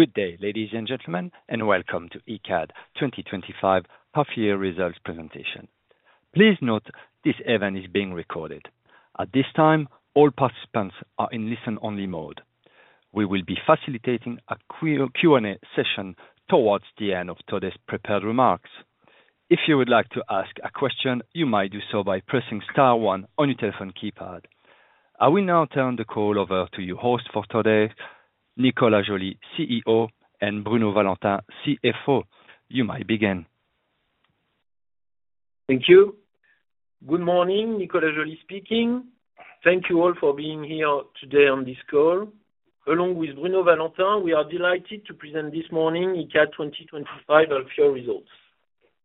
Good day, ladies and gentlemen, and welcome to Icade 2025 Half-Year Results Presentation. Please note this event is being recorded. At this time, all participants are in listen-only mode. We will be facilitating a Q&A session towards the end of today's prepared remarks. If you would like to ask a question, you may do so by pressing star one on your telephone keypad. I will now turn the call over to your host for today, Nicolas Joly, CEO, and Bruno Valentin, CFO. You may begin. Thank you. Good morning, Nicolas Joly speaking. Thank you all for being here today on this call. Along with Bruno Valentin, we are delighted to present this morning Icade 2025 Half-Year Results.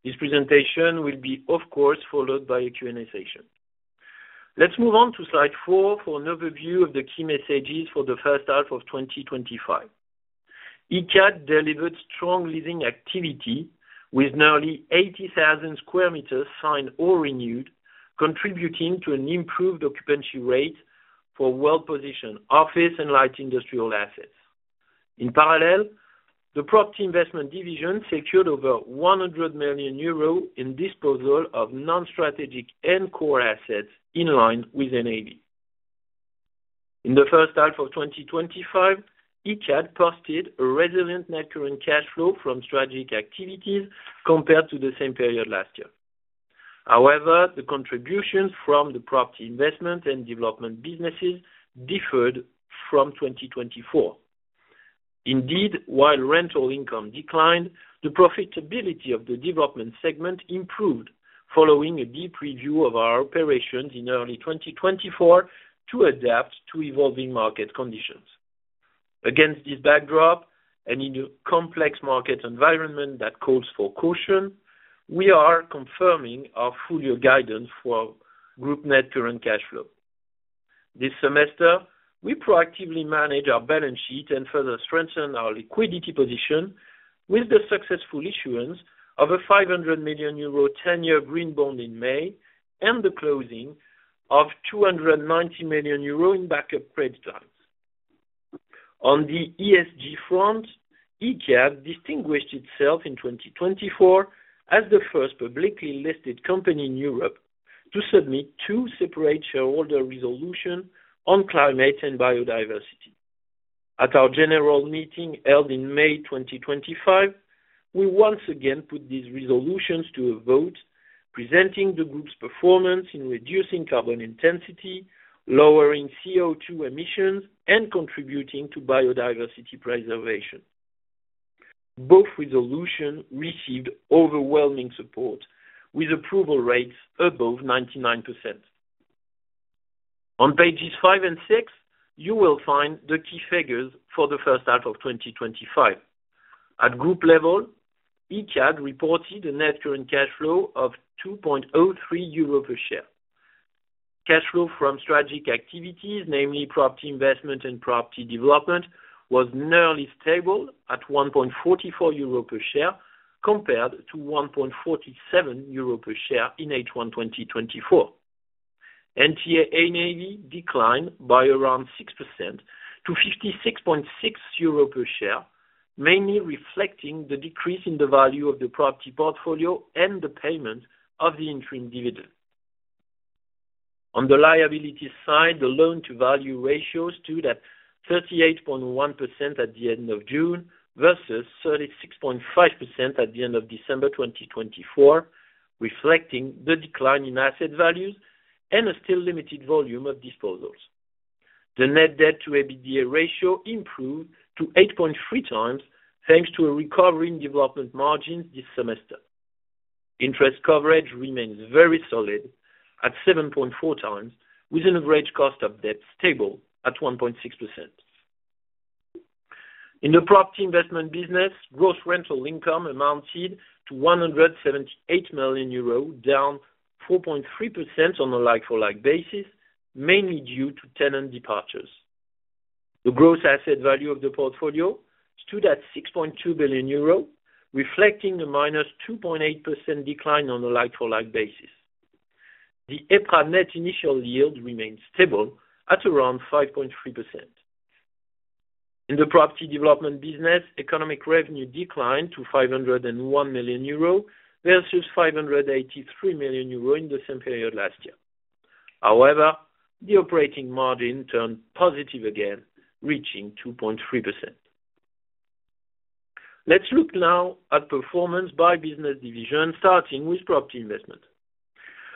This presentation will be, of course, followed by a Q&A session. Let's move on to slide four for an overview of the key messages for the First Half of 2025. Icade delivered strong leasing activity with nearly 80,000 sqm signed or renewed, contributing to an improved Occupancy Rate office and Light Industrial Assets. in parallel, the Property Investment Division secured over 100 million euros in disposal of non-strategic and core assets in line with NAV. In the First Half of 2025, Icade Net Current Cash Flow from strategic activities compared to the same period last year. However, the contributions from the Property Investment and Development Businesses differed from 2024. Indeed, Rental Income declined, the profitability of the Development Segment improved following a deep review of our operations in early 2024 to adapt to evolving Market Conditions. Against this backdrop and in a complex market environment that calls for caution, we are confirming group Net Current Cash Flow. this semester, we proactively managed our Balance Sheet and further strengthened our Liquidity position with the successful issuance of a 500 million euro 10-Year Green Bond in May and the closing of 290 million euro in Backup Credit Lines. On the ESG front, Icade distinguished itself in 2024 as the first publicly listed company in Europe to submit two separate shareholder resolutions on climate and biodiversity. At our general meeting held in May 2025, we once again put these resolutions to a vote, presenting the group's performance in reducing Carbon Intensity, lowering CO2 Emissions, and contributing to Biodiversity Preservation. Both resolutions received overwhelming support, with approval rates above 99%. On pages five and six, you will find the key figures for the First Half of 2025. At group level, Icade reported a Net Current Cash Flow of 2.03 euro per share. Cash flow from strategic activities, namely Property Investment and Property Development, was nearly stable at 1.44 euro per share compared to 1.47 euro per share in H1 2024. NTA/NAV declined by around 6% to 56.6 euro per share, mainly reflecting the decrease in the value of the Property Portfolio and the payment of the interim dividend. On the liability side, the Loan-to-Value Ratio stood at 38.1% at the end of June versus 36.5% at the end of December 2024, reflecting the decline in asset values and a still limited volume of disposals. The Net Debt-to-EBITDA Ratio improved to 8.3 times, thanks to a recovery in Development Margins this semester. Interest Coverage remains very solid at 7.4 times, with an average Cost of Debt stable at 1.6%. In the Property Investment Division, Rental Income amounted to 178 million euros, down 4.3% on a like-for-like basis, mainly due to tenant departures. The gross Asset Value of the Portfolio stood at 6.2 billion euro, reflecting a -2.8% decline on a like-for-like basis. The EPRA net initial yield remained stable at around 5.3%. In the Property Development Division, Economic Revenue declined to 501 million euro versus 583 million euro in the same period last year. However, the Operating Margin turned positive again, reaching 2.3%. Let's look now at performance by business division, starting with Property Investment.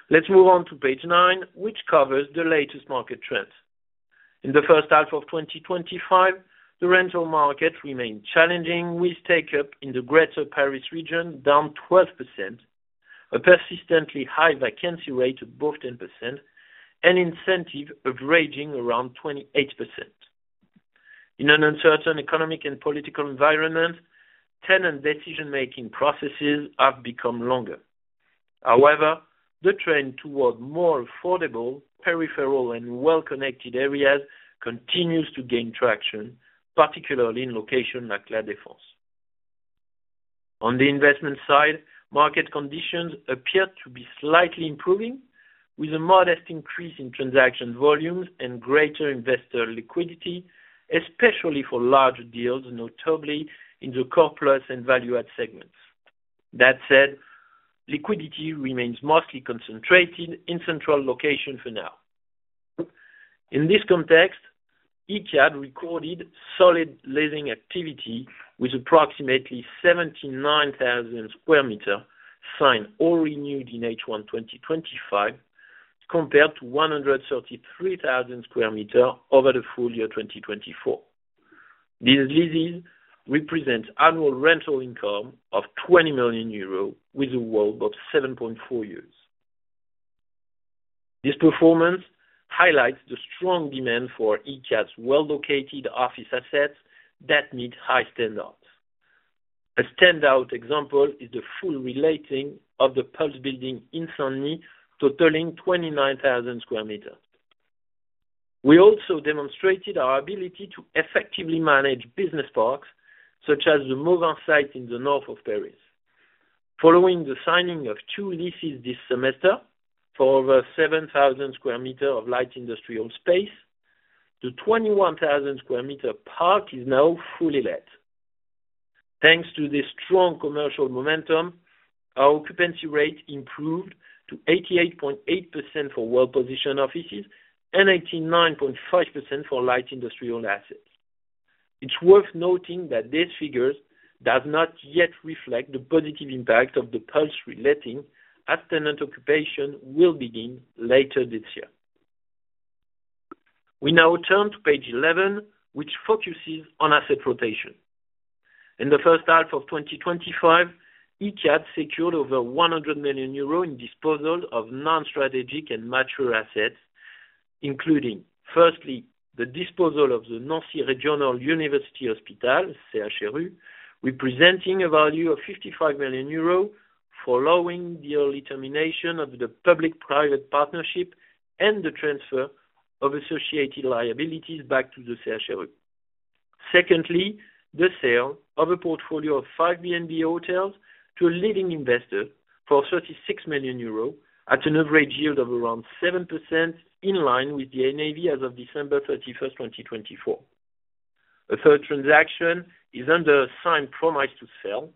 Let's move on to page nine, which covers the latest market trends. In the First Half of 2025, the Rental Market remained challenging with Take-Up in the greater Paris region down 12%, a persistently high Vacancy Rate above 10%, and incentives averaging around 28%. In an uncertain economic and political environment, Tenant Decision-Making Processes have become longer. However, the trend toward more Affordable, Peripheral, and Well-Connected Areas continues to gain traction, particularly in locations like Clair de France. On the Investment Side, Market Conditions appear to be slightly improving, with a modest increase in Transaction Volumes and greater Investor Liquidity, especially for Large Deals, notably in the core plus and value-add segments. That said, Liquidity remains mostly concentrated in Central Locations for now. In this context, Icade recorded solid Leasing Activity with approximately 79,000 sqm signed or renewed in H1 2025, compared to 133,000 sqm over the full year 2024. These leases represent Rental Income of 20 million euros, with a Hold of 7.4 years. This performance highlights the strong demand for Icade's well-located office assets that meet high standards. A standout example is the full reletting of the Pulse building in Saint-Denis, totaling 29,000 sqm. We also demonstrated our ability to effectively manage business parks, such as the Mauvin Site in the north of Paris. Following the signing of two leases this semester for over 7,000 sqm of Light Industrial Space, the 21,000 sqm park is now fully let. Thanks to this strong commercial momentum, our Occupancy Rate improved to 88.8% for well-positioned offices and 89.5% for Light Industrial Assets. It's worth noting that these figures do not yet reflect the positive impact of the Pulse relating as tenant occupation will begin later this year. We now turn to page 11, which focuses on Asset Rotation. In the First Half of 2025, Icade secured over 100 million euros in disposal of non-strategic and mature assets, including, firstly, the disposal of the Nancy Regional University Hospital, CHRU, representing a value of 55 million euros, following the early termination of the public-private partnership and the transfer of associated liabilities back to the CHRU. Secondly, the sale of a portfolio of five B&B Hotels to a leading investor for 36 million euros, at an average yield of around 7%, in line with the NAV as of December 31, 2024. A third transaction is under a signed promise to sell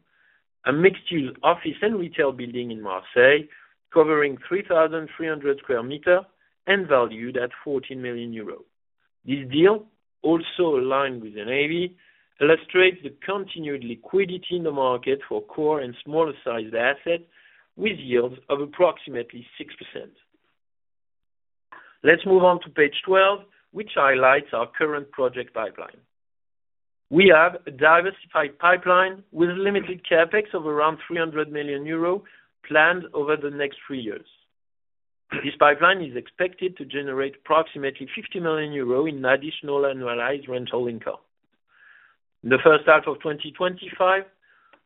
a Mixed-Use Office and Retail Building in Marseille, covering 3,300 sqm and valued at 14 million euros. This deal, also aligned with NAV, illustrates the continued Liquidity in the market for Core and Smaller-Sized Assets, with yields of approximately 6%. Let's move on to page 12, which highlights our current Project Pipeline. We have a diversified pipeline with a limited CapEx of around 300 million euro planned over the next three years. This pipeline is expected to generate approximately 50 million euros in additional Rental Income. in the First Half of 2025,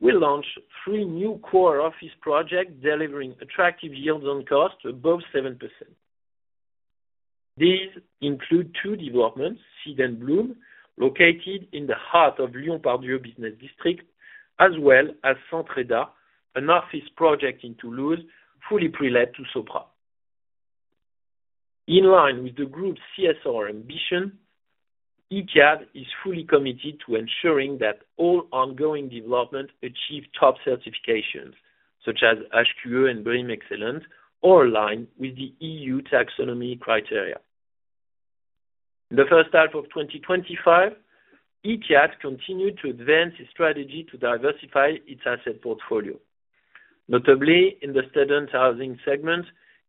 we'll launch three new core office projects, delivering attractive yields on cost above 7%. These include two developments, Seed and Bloom, located in the heart of Lyon-Part-Dieu business district, as well as Centre d'Arts, an office project in Toulouse, fully prelet to Sopra. In line with the group's CSR Ambition, Icade is fully committed to ensuring that all ongoing developments achieve top certifications, such as HQE and BREEAM Excellence, all aligned with the EU Taxonomy criteria. In the First Half of 2025, Icade continued to advance its strategy to diversify its Asset Portfolio. Notably, in the student housing segment,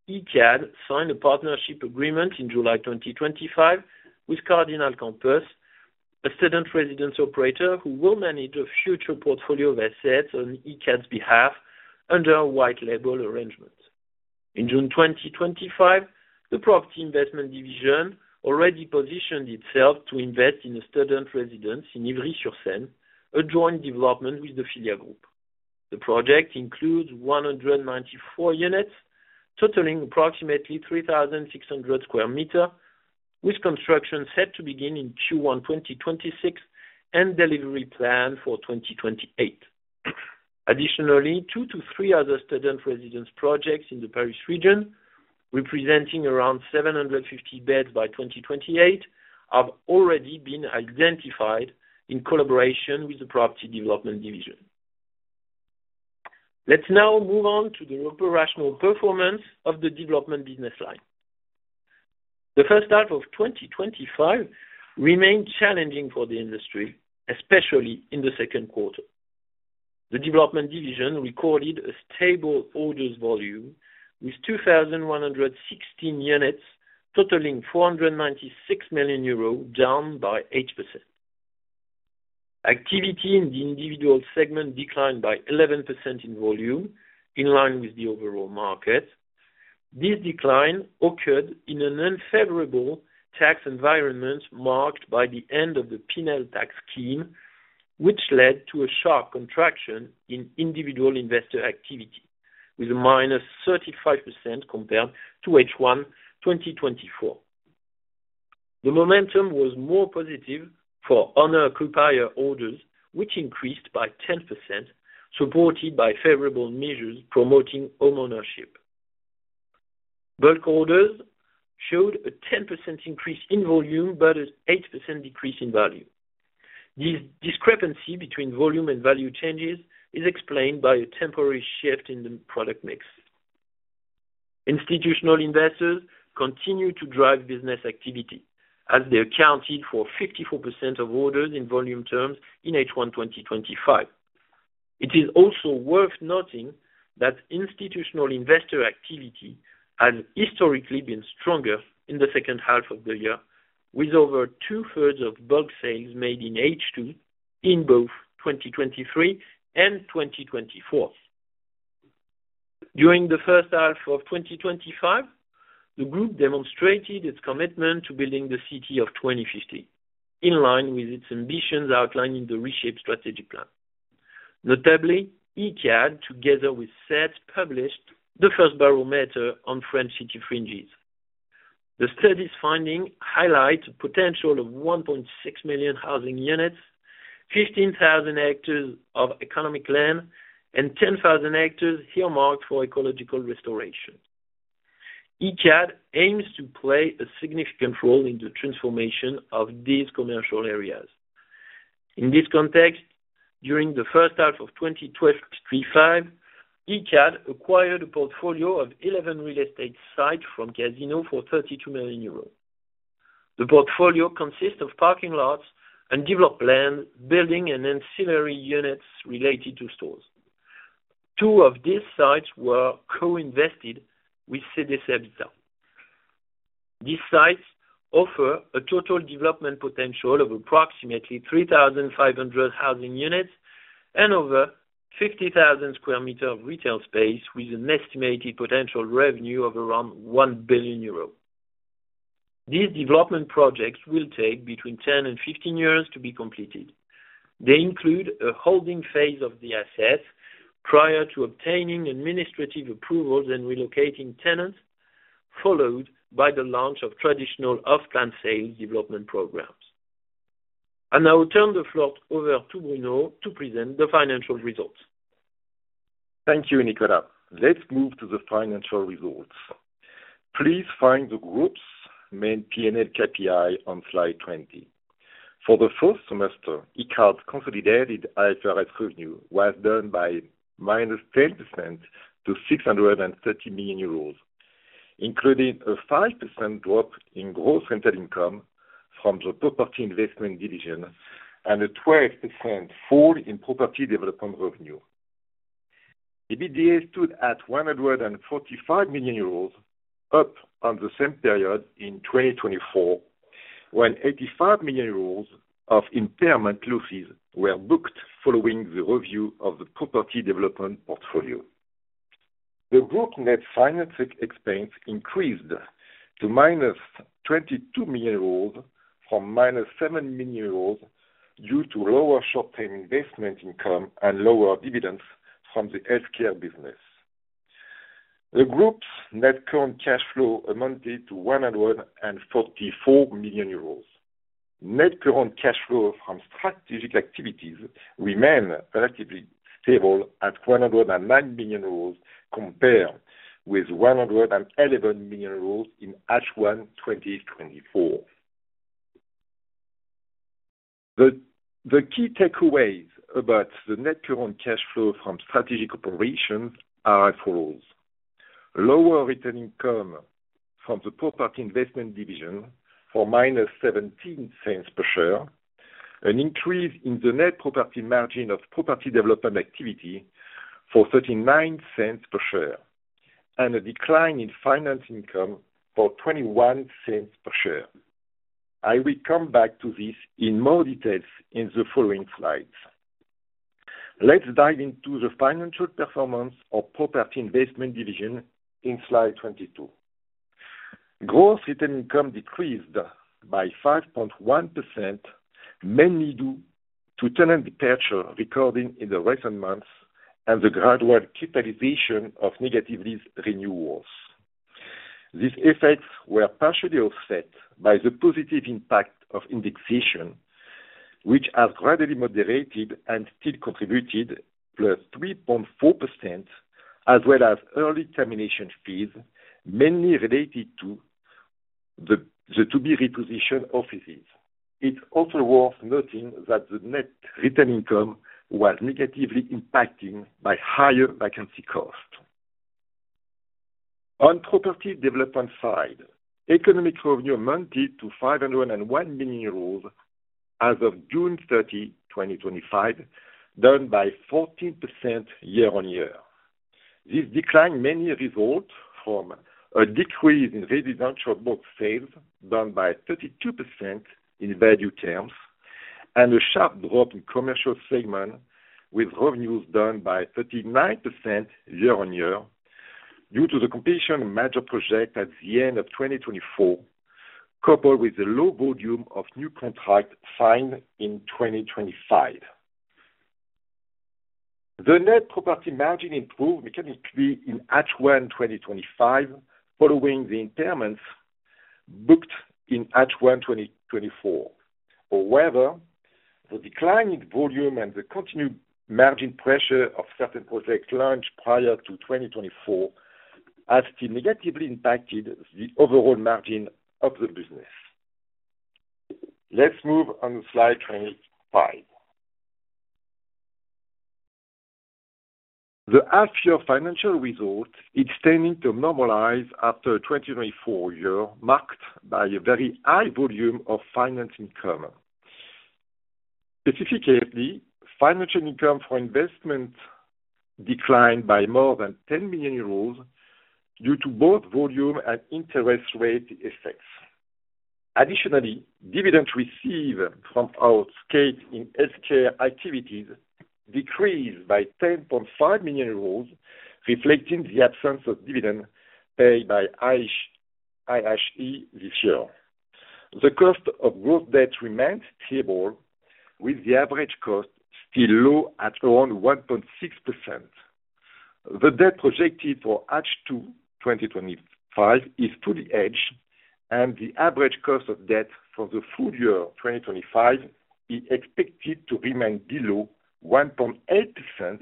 Icade signed a partnership agreement in July 2025 with Cardinal Campus, a student residence operator who will manage a future portfolio of assets on Icade's behalf under a white-label arrangement. In June 2025, the Property Investment Division already positioned itself to invest in a student residence in Ivry-sur-Seine, a joint development with the Filia Group. The project includes 194 units, totaling approximately 3,600 sqm, with construction set to begin in Q1 2026 and delivery planned for 2028. Additionally, two to three other student residence projects in the Paris region, representing around 750 beds by 2028, have already been identified in collaboration with the Property Development Division. Let's now move on to the operational performance of the development business line. The First Half of 2025 remained challenging for the industry, especially in the second quarter. The Development Division recorded a stable Orders Volume with 2,116 units, totaling 496 million euros, down by 8%. Activity in the Individual Segment declined by 11% in volume, in line with the overall market. This decline occurred in an unfavorable tax environment marked by the end of the PNEL tax scheme, which led to a sharp contraction in individual investor activity, with a minus 35% compared to H1 2024. The momentum was more positive for Honor Accompanyer orders, which increased by 10%, supported by favorable measures promoting homeownership. Bulk orders showed a 10% increase in volume but an 8% decrease in value. This discrepancy between volume and value changes is explained by a temporary shift in the portfolio mix. Institutional investors continue to drive Business Activity, as they accounted for 54% of orders in volume terms in H1 2025. It is also worth noting that Institutional Investor Activity has historically been stronger in the second half of the year, with over two thirds of Bulk Sales made in H2 in both 2023 and 2024. During the First Half of 2025, the group demonstrated its commitment to building the city of 2050, in line with its ambitions outlined in the reshaped strategy plan. Notably, Icade, together with SET, published the first Barometer on French City Fringes. The study's findings highlight a potential of 1.6 million housing units, 15,000 Hectares of Economic Land, and 10,000 Hectares earmarked for Ecological Restoration. Icade aims to play a significant role in the transformation of these commercial areas. In this context, during the First Half of 2025, Icade acquired a portfolio of 11 real estate sites from Casino for 32 million euros. The portfolio consists of Parking Lots and Developed Land, Buildings, and Ancillary Units related to stores. Two of these sites were co-invested with CDC Habitat. These sites offer a total development potential of approximately 3,500 Housing Units and over 50,000 sqm of Retail Space, with an estimated potential revenue of around 1 billion euros. These development projects will take between 10 and 15 years to be completed. They include a Holding Phase of the assets prior to obtaining administrative approvals and relocating tenants, followed by the launch of traditional Off-Plan Sales Development Programs. I now turn the floor over to Bruno to present the Financial esults. Thank you, Nicolas. Let's move to the financial results. Please find the group's main Pinel KPI on slide 20. For the first semester, Icade consolidated IFRS revenue was down by -10% to 630 million euros, including a 5% drop in Rental Income from the Property Investment Division and a 12% fall in Property Development revenue. EBITDA stood at 145 million euros, up on the same period in 2024, when 85 million euros of impairment losses were booked following the review of the Property Development portfolio. The group net finance expense increased to -22 million euros from -7 million euros due to lower short-term investment income and lower dividends from the healthcare business. The group's Net Current Cash Flow amounted Net Current Cash Flow from strategic activities remained relatively stable at 109 million, compared with 111 million in H1 2024. The key takeaways about the Net Current Cash Flow from Strategic Operations are as follows: Rental Income from the Property Investment Division for -0.17 per share, an increase in the net property margin of Property Development activity for 0.39 per share, and a decline in finance income for 0.21 per share. I will come back to this in more detail in the following slides. Let's dive into the financial performance of the Property Investment Division in slide 22. Rental Income decreased by 5.1%, mainly due to tenant departure recorded in recent months and the gradual capitalization of negative lease renewals. These effects were partially offset by the positive impact of indexation, which has gradually moderated and still contributed +3.4%, as well as early termination fees, mainly related to the To-Be-Repositioned Offices. It's also worth noting that the Rental Income was negatively impacted by higher vacancy costs. On the Property Development side, Economic Revenue amounted to 501 million euros as of June 30, 2025, down by 14% year on year. This decline mainly resulted from a decrease in Residential Book Sales down by 32% in value terms and a sharp drop in Commercial Segments, with revenues down by 39% year on year due to the completion of major projects at the end of 2024, coupled with the low volume of new contracts signed in 2025. The net property margin improved mechanically in H1 2025, following the impairments booked in H1 2024. However, the declining volume and the continued Margin Pressure of certain projects launched prior to 2024 have still negatively impacted the overall margin of the business. Let's move on to slide 25. The Half-Year Financial Results extend to normalize after a 2024 year marked by a very high volume of finance income. Specifically, financial income from investments declined by more than 10 million euros due to both volume and interest rate effects. Additionally, dividends received from our stake in healthcare activities decreased by 10.5 million euros, reflecting the absence of dividends paid by IHE this year. The cost of gross debt remained stable, with the average cost still low at around 1.6%. The debt projected for H2 2025 is to the edge, and the average cost of debt for the full year 2025 is expected to remain below 1.8%,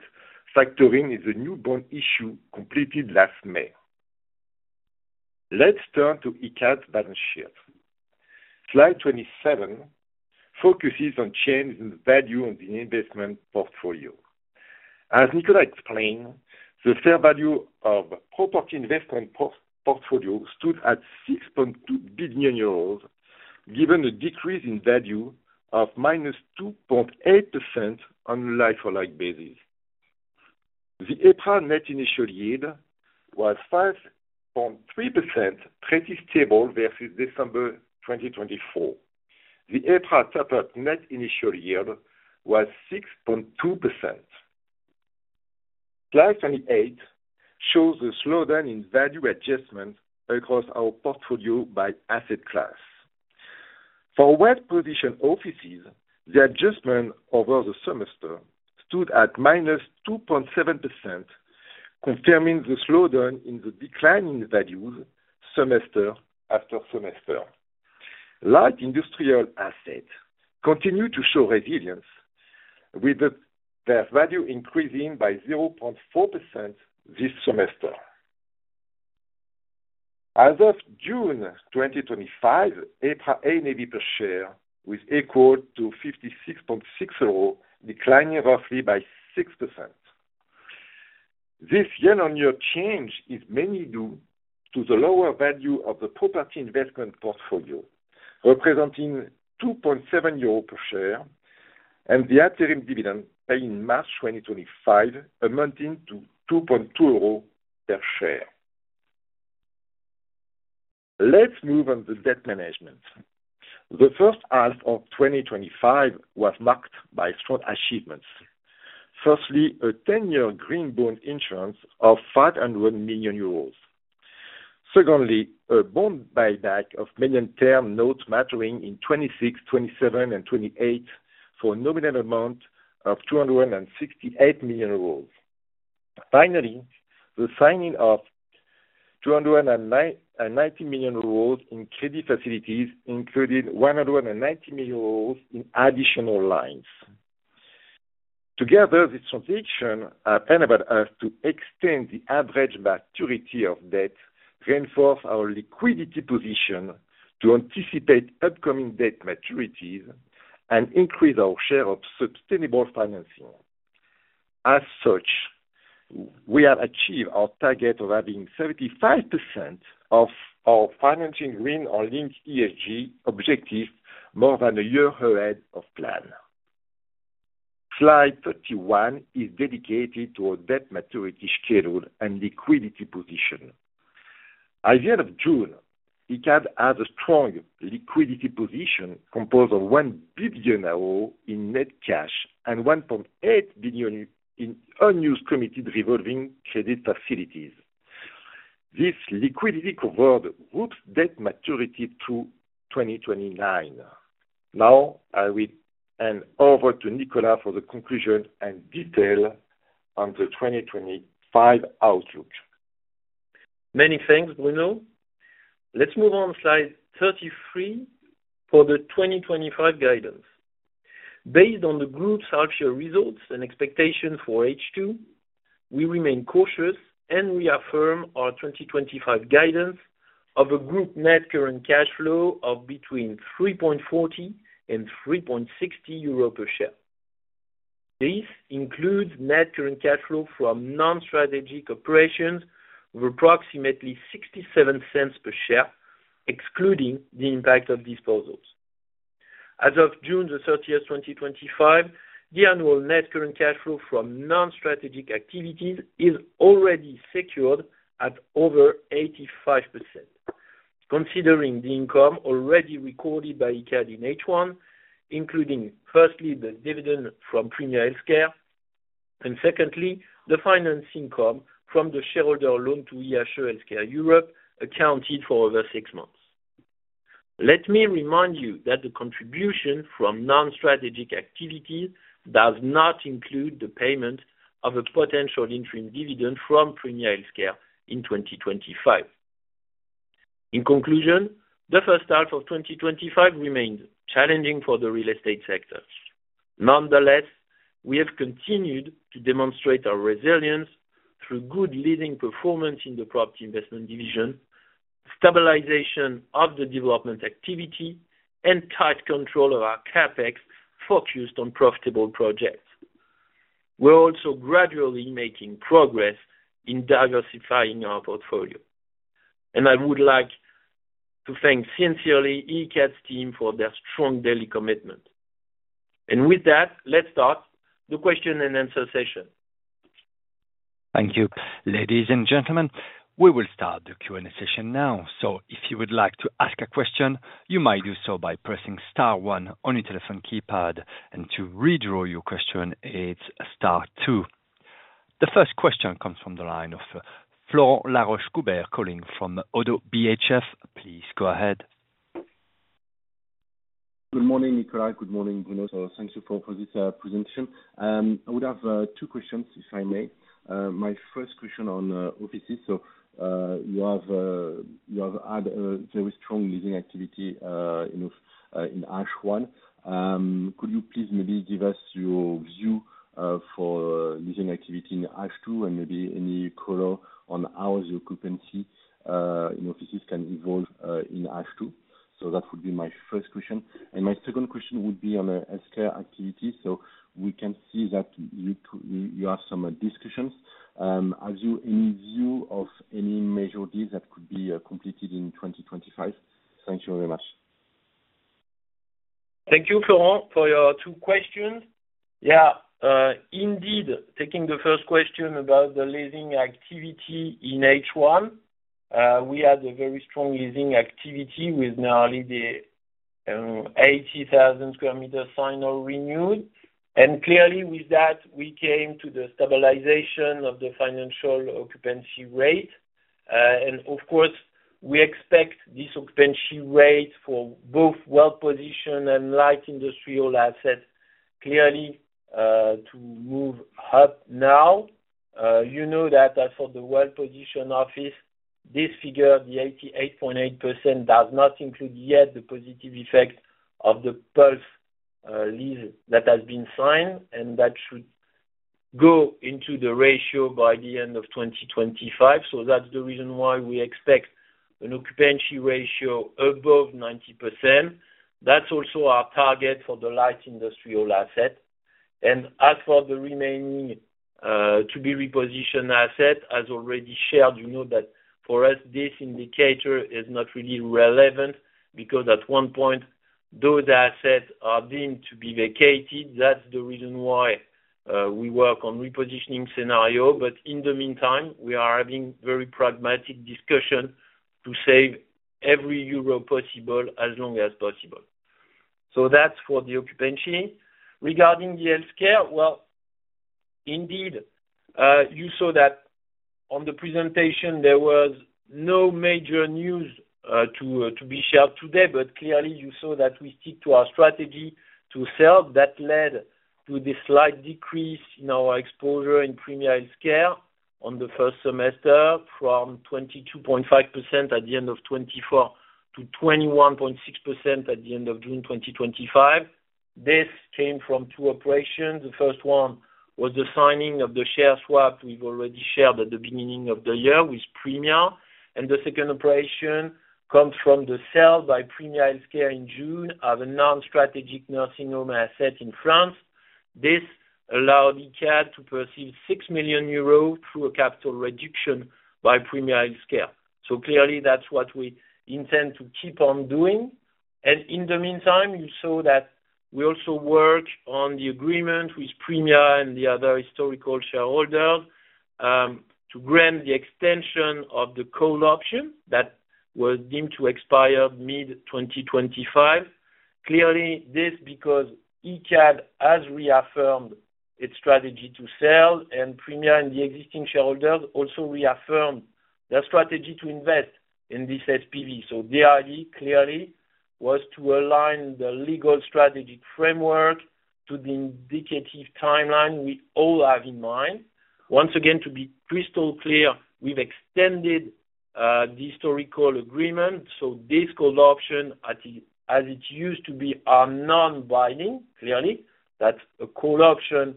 factoring in the new bond issue completed last May. Let's turn to Icade's Balance Sheet. Slide 27 focuses on change in the value of the investment portfolio. As Nicolas explained, the fair value of the property investment portfolio stood at 6.2 billion euros, given the decrease in value of minus 2.8% on a like-for-like basis. The EPRA net initial yield was 5.3%, pretty stable versus December 2024. The EPRA CapEx net initial yield was 6.2%. Slide 28 shows the slowdown in value adjustments across our portfolio by asset class. For well-positioned offices, the adjustment over the semester stood at minus 2.7%, confirming the slowdown in the declining values semester after semester. Light Industrial Assets continue to show resilience, with the fair value increasing by 0.4% this semester. As of June 2025, EPRA/NAV per share was equal to 56.6 euro, declining roughly by 6%. This year-on-year change is mainly due to the lower value of the property investment portfolio, representing 2.7 euros per share, and the upstream dividends paid in March 2025 amounting to 2.2 euros per share. Let's move on to debt management. The First Half of 2025 was marked by strong achievements. Firstly, a 10-Year Green Bond issuance of 500 million euros. Secondly, a bond buyback of medium-term notes maturing in 2026, 2027, and 2028 for a nominal amount of 268 million euros. Finally, the signing of 290 million euros in credit facilities included 190 million euros in additional lines. Together, these transactions are planned for us to extend the average maturity of debt, reinforce our Liquidity position to anticipate upcoming debt maturities, and increase our share of sustainable financing. As such, we have achieved our target of having 75% of our financing green or linked to ESG objectives more than a year ahead of plan. Slide 31 is dedicated to our debt maturity schedule and Liquidity position. As of June, Icade has a strong Liquidity position composed of 1 billion in net cash and 1.8 billion in unused committed revolving credit facilities. This Liquidity covers the group's debt maturity to 2029. Now, I will hand over to Nicolas for the conclusion and detail on the 2025 outlook. Many thanks, Bruno. Let's move on to slide 33 for the 2025 guidance. Based on the group's half-year results and expectations for H2, we remain cautious and reaffirm our 2025 group Net Current Cash Flow of between eur 3.40 and 3.60 euro per share. This includes Net Current Cash Flow from non-strategic operations of approximately 0.67 per share, excluding the impact of disposals. As of June 30, 2025, the annual Net Current Cash Flow from non-strategic activities is already secured at over 85%, considering the income already recorded by Icade in H1, including firstly the dividend from Premier Healthcare, and secondly the finance income from the shareholder loan to IHE Healthcare Europe, accounted for over six months. Let me remind you that the contribution from non-strategic activities does not include the payment of a potential interim dividend from Premier Healthcare in 2025. In conclusion, the First Half of 2025 remained challenging for the real estate sector. Nonetheless, we have continued to demonstrate our resilience through good leading performance in the Property Investment Division, stabilization of the development activity, and tight control of our CapEx focused on profitable projects. We are also gradually making progress in diversifying our portfolio. I would like to thank sincerely Icade's team for their strong daily commitment. With that, let's start the question and answer session. Thank you, ladies and gentlemen. We will start the Q&A session now. If you would like to ask a question, you might do so by pressing star one on your telephone keypad. To withdraw your question, it's star two. The first question comes from the line of Florent Laroche-Joubert calling from ODDO BHF. Please go ahead. Good morning, Nicolas. Good morning, Bruno. Thank you for this presentation. I would have two questions, if I may. My first question is on offices. You have had a very strong leasing activity in H1. Could you please maybe give us your view for leasing activity in H2 and maybe any color on how the occupancy in offices can evolve in H2? That would be my first question. My second question would be on the healthcare activity. We can see that you have some discussions. Have you any view of any major deals that could be completed in 2025? Thank you very much. Thank you, Florent, for your two questions. Yeah, indeed. Taking the first question about the leasing activity in H1, we had a very strong leasing activity with nearly 80,000 sqm final renewed. Clearly, with that, we came to the stabilization of the financial Occupancy Rate. Of course, we expect this Occupancy Rate for both well-positioned and Light Industrial Assets clearly to move up now. You know that for the well-positioned office, this figure, the 88.8%, does not include yet the positive effect of the Pulse lease that has been signed, and that should go into the ratio by the end of 2025. That's the reason why we expect an occupancy ratio above 90%. That's also our target for the light industrial asset. As for the remaining to-be-repositioned assets, as already shared, you know that for us, this indicator is not really relevant because at one point, those assets are deemed to be vacated. That's the reason why we work on a repositioning scenario. In the meantime, we are having very pragmatic discussions to save every euro possible as long as possible. That's for the occupancy. Regarding the healthcare, indeed, you saw that on the presentation, there was no major news to be shared today, but clearly, you saw that we stick to our strategy to sell. That led to the slight decrease in our exposure in Premier Healthcare on the first semester from 22.5% at the end of 2024 to 21.6% at the end of June 2025. This came from two operations. The first one was the signing of the share swap we've already shared at the beginning of the year with Premier. The second operation comes from the sale by Premier Healthcare in June of a non-strategic nursing home asset in France. This allowed Icade to perceive 6 million euros through a capital reduction by Premier Healthcare. Clearly, that's what we intend to keep on doing. In the meantime, you saw that we also work on the agreement with Premier and the other historical shareholders to grant the extension of the call option that was deemed to expire mid-2025. Clearly, this is because Icade has reaffirmed its strategy to sell, and Premier and the existing shareholders also reaffirmed their strategy to invest in this SPV. Their idea clearly was to align the legal strategic framework to the indicative timeline we all have in mind. Once again, to be crystal clear, we've extended the historical agreement. This call option, as it used to be, is non-binding, clearly. That's a call option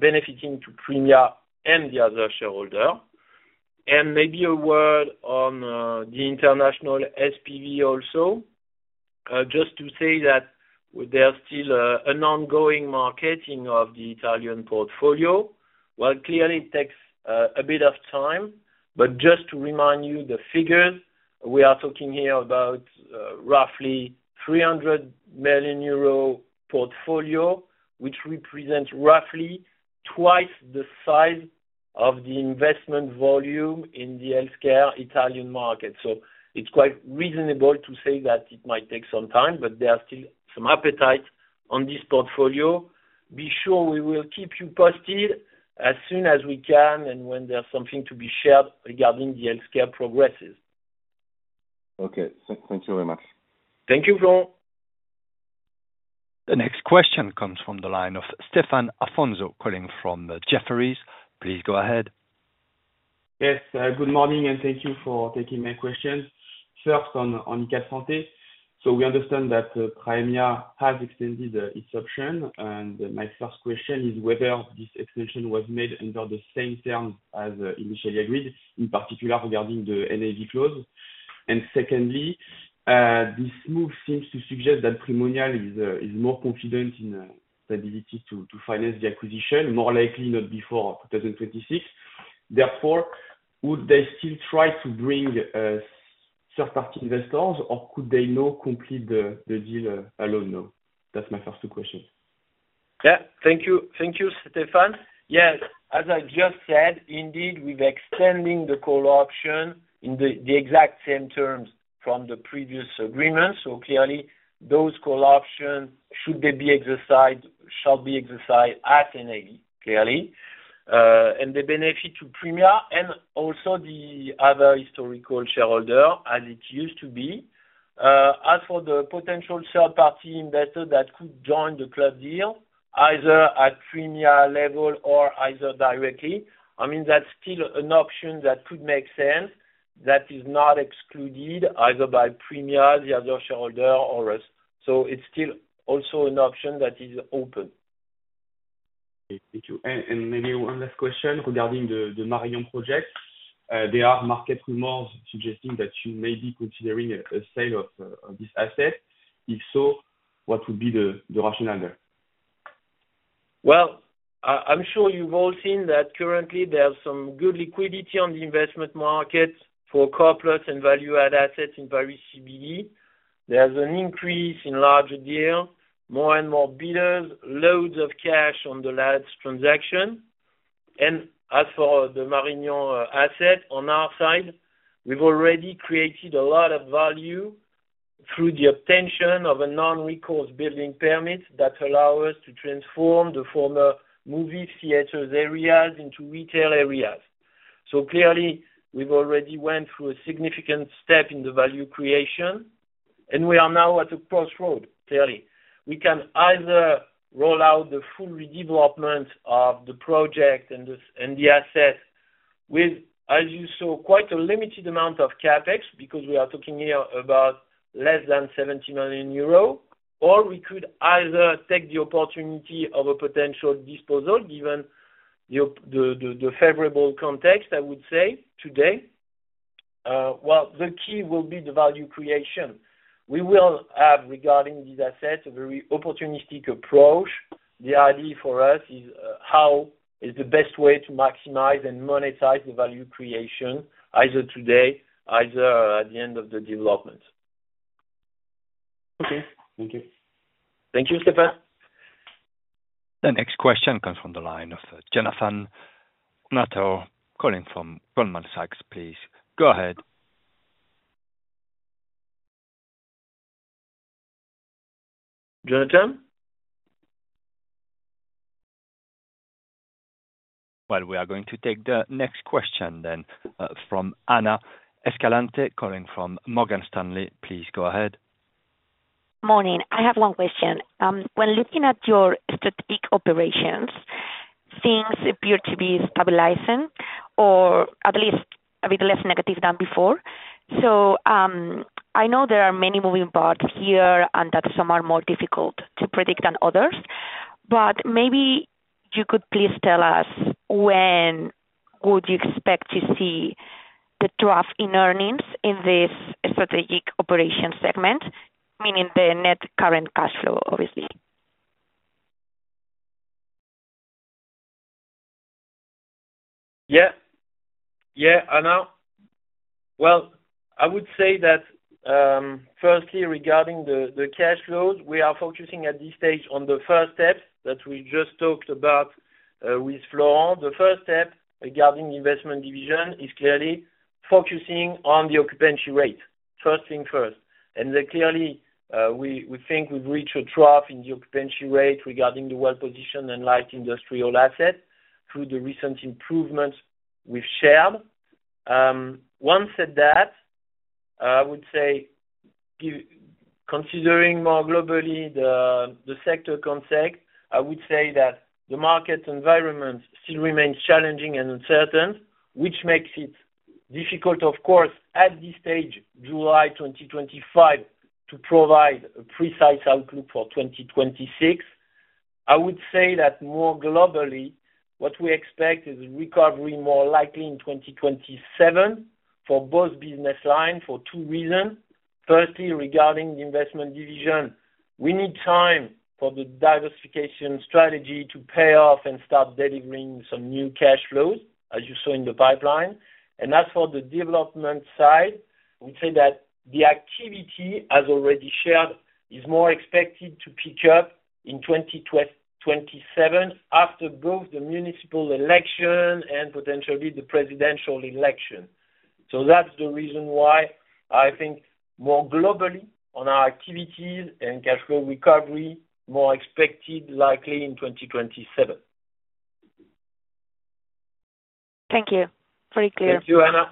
benefiting Premier and the other shareholders. Maybe a word on the international SPV also, just to say that there's still an ongoing marketing of the Italian portfolio. Clearly, it takes a bit of time. Just to remind you, the figures we are talking here are about roughly 300 million euro portfolio, which represents roughly twice the size of the investment volume in the healthcare Italian market. It's quite reasonable to say that it might take some time, but there's still some appetite on this portfolio. Be sure we will keep you posted as soon as we can and when there's something to be shared regarding the healthcare progresses. Okay, thank you very much. Thank you, Florent. The next question comes from the line of Stéphane Afonso calling from Jefferies. Please go ahead. Yes. Good morning, and thank you for taking my question. First, on Icade France. We understand that Premier has extended its option. My first question is whether this extension was made under the same terms as initially agreed, in particular regarding the NAV clause. Secondly, this move seems to suggest that Primonial is more confident in the ability to finance the acquisition, more likely not before 2026. Therefore, would they still try to bring third-party investors, or could they now complete the deal alone? That's my first question. Thank you. Thank you, Stéphane. As I just said, indeed, we've extended the call option in the exact same terms from the previous agreement. Clearly, those call options, should they be exercised, shall be exercised at NAV, clearly. The benefit to Premier and also the other historical shareholders, as it used to be. As for the potential third-party investor that could join the club deal, either at Premier level or either directly, that's still an option that could make sense. That is not excluded either by Premier, the other shareholder, or us. It's still also an option that is open. Thank you. Maybe one last question regarding the Marignan project. There are market rumors suggesting that you may be considering a sale of this asset. If so, what would be the rationale there? I'm sure you've all seen that currently, there's some good Liquidity on the investment market for corporates and value-add assets in Paris CBD. There's an increase in Large Deals, more and more bidders, loads of cash on the last transaction. As for the Marignan asset on our side, we've already created a lot of value through the obtention of a non-recourse building permit that allows us to transform the former movie theater areas into retail areas. Clearly, we've already gone through a significant step in the value creation, and we are now at a crossroads. We can either roll out the full redevelopment of the project and the assets with, as you saw, quite a limited amount of CapEx because we are talking here about less than 70 million euros, or we could take the opportunity of a potential disposal, given the favorable context, I would say, today. The key will be the value creation. We will have, regarding these assets, a very opportunistic approach. The idea for us is how is the best way to maximize and monetize the value creation, either today or at the end of the development. Okay, thank you. Thank you, Stéphane. The next question comes from the line of Jonathan Kownator calling from Goldman Sachs. Please go ahead. Jonathan? We are going to take the next question from Ana Escalante calling from Morgan Stanley. Please go ahead. Morning. I have one question. When looking at your strategic operations, things appear to be stabilizing or at least a bit less negative than before. I know there are many moving parts here and that some are more difficult to predict than others. Maybe you could please tell us when would you expect to see the drop in earnings in this strategic operations segment, meaning the Net Current Cash Flow, obviously? Yeah. Yeah, Ana. Firstly, regarding the cash flows, we are focusing at this stage on the first step that we just talked about with Florent. The first step regarding the Property Investment Division is clearly focusing on the Occupancy Rate, first thing first. Clearly, we think we've reached a drop in the Occupancy Rate regarding the well-positioned and Light Industrial Assets through the recent improvements we've shared. Once said that, considering more globally the sector context, the market environment still remains challenging and uncertain, which makes it difficult, of course, at this stage, July 2025, to provide a precise outlook for 2026. More globally, what we expect is a recovery more likely in 2027 for both business lines for two reasons. Firstly, regarding the Property Investment Division, we need time for the diversification strategy to pay off and start delivering some new cash flows, as you saw in the pipeline. As for the development side, the activity, as already shared, is more expected to pick up in 2027 after both the municipal election and potentially the presidential election. That's the reason why I think more globally on our activities and cash flow recovery, more expected likely in 2027. Thank you. Very clear. Thank you, Ana.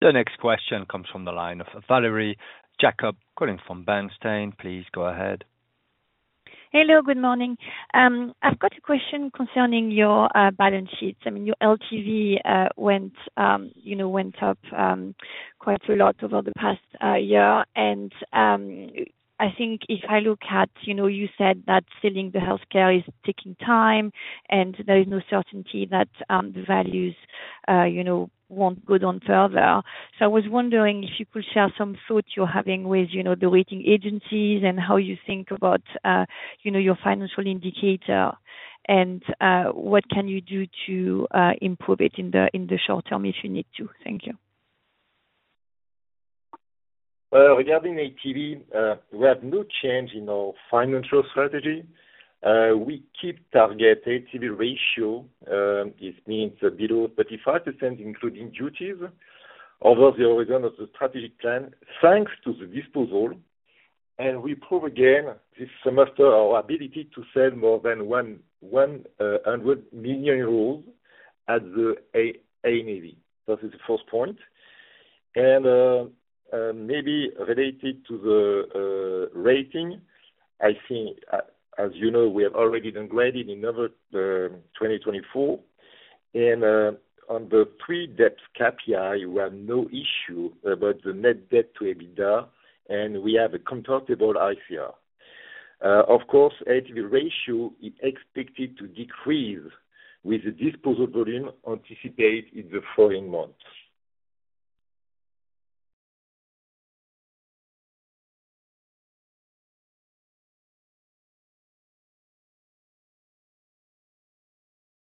The next question comes from the line of Valerie Jacob calling from Bernstein. Please go ahead. Hello. Good morning. I've got a question concerning your Balance Sheets. I mean, your LTV went up quite a lot over the past year. I think if I look at, you know, you said that selling the healthcare is taking time, and there is no certainty that the values won't go down further. I was wondering if you could share some thoughts you're having with the rating agencies and how you think about your financial indicator and what you can do to improve it in the short term if you need to. Thank you. Regarding LTV, we have no change in our financial strategy. We keep target LTV ratio. It's been below 35%, including duties, over the horizon of the strategic plan, thanks to the disposal. We proved again this semester our ability to sell more than 100 million euros at the NAV. That is the first point. Maybe related to the rating, I think, as you know, we have already downgraded in November 2024. On the pre-debt CapEx, we have no issue about the net Debt to EBITDA, and we have a compatible ICR. Of course, LTV ratio is expected to decrease with the disposal volume anticipated in the following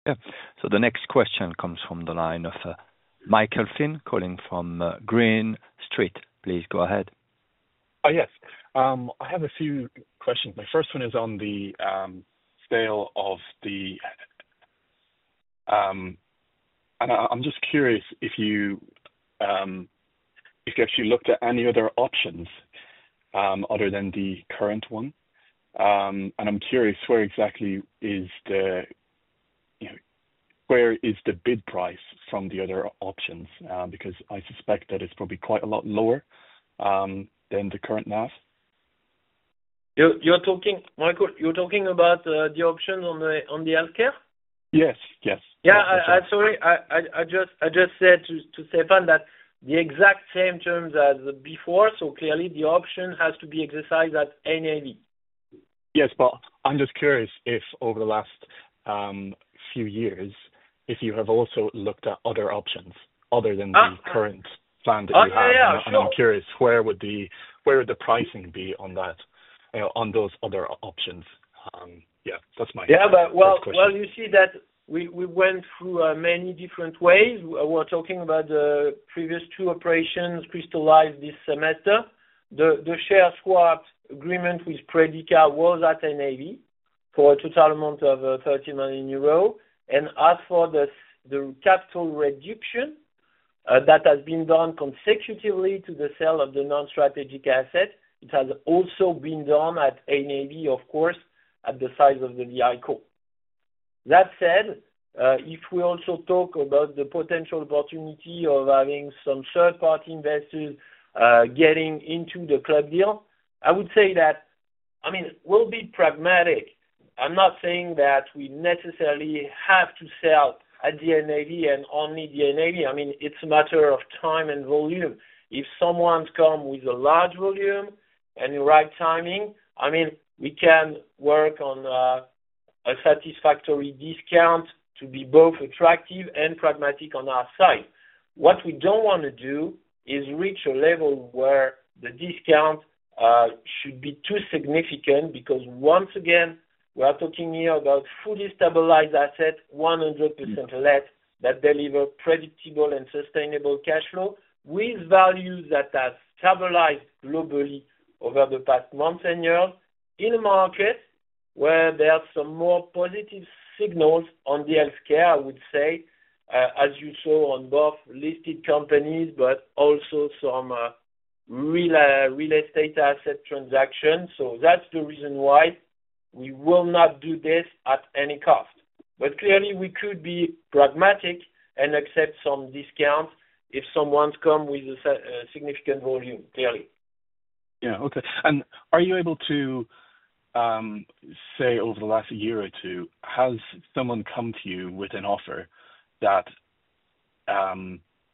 months. The next question comes from the line of Michael Finn calling from Green Street. Please go ahead. Oh, yes. I have a few questions. My first one is on the sale of the, and I'm just curious if you actually looked at any other options other than the current one. I'm curious where exactly is the bid price from the other options because I suspect that it's probably quite a lot lower than the current NAV. You're talking, Michael, you're talking about the options on the healthcare? Yes, yes. Yeah. Sorry. I just said to Stéphane that the exact same terms as before. Clearly, the option has to be exercised at NAV. Yes, I'm just curious if over the last few years, if you have also looked at other options other than the current plan that you have. Oh, yeah, sure. I'm curious where would the pricing be on that, you know, on those other options. That's my. As you see, we went through many different ways. We're talking about the previous two operations crystallized this semester. The share swap agreement with Predica was at NAV for a total amount of 30 million euro. As for the capital reduction that has been done consecutively to the sale of the non-strategic asset, it has also been done at NAV, of course, at the size of the VI Corp. That said, if we also talk about the potential opportunity of having some third-party investors getting into the club deal, I would say that we'll be pragmatic. I'm not saying that we necessarily have to sell at the NAV and only the NAV. It's a matter of time and volume. If someone comes with a large volume and the right timing, we can work on a satisfactory discount to be both attractive and pragmatic on our side. What we don't want to do is reach a level where the discount should be too significant because, once again, we are talking here about fully stabilized assets, 100% let, that deliver predictable and sustainable cash flow with values that have stabilized globally over the past months and years in a market where there are some more positive signals on the healthcare, as you saw on both listed companies, but also some real estate asset transactions. That's the reason why we will not do this at any cost. Clearly, we could be pragmatic and accept some discounts if someone comes with a significant volume, clearly. Okay. Are you able to say over the last year or two, has someone come to you with an offer that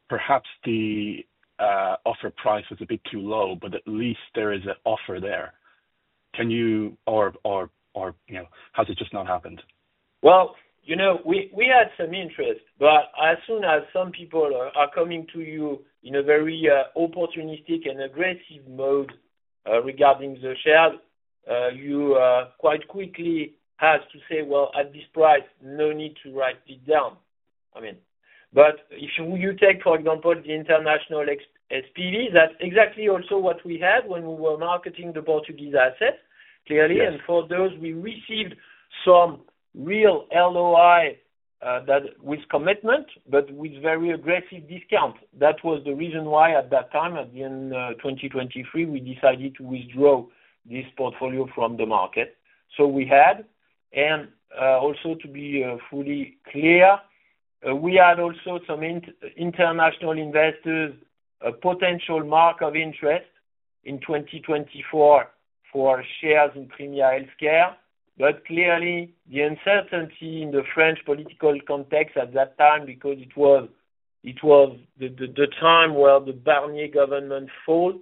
perhaps the offer price was a bit too low, but at least there is an offer there? Can you, or has it just not happened? You know we had some interest, but as soon as some people are coming to you in a very opportunistic and aggressive mode regarding the shares, you quite quickly have to say, at this price, no need to write it down. I mean, if you take, for example, the international SPV, that's exactly also what we had when we were marketing the Portuguese assets, clearly. For those, we received some real LOI with commitment, but with very aggressive discounts. That was the reason why, at that time, at the end of 2023, we decided to withdraw this portfolio from the market. We had, and also to be fully clear, we had also some international investors, a potential market of interest in 2024 for shares in Premier Healthcare. Clearly, the uncertainty in the French political context at that time, because it was the time where the Barnier government falls,